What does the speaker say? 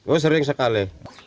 oh sering sekali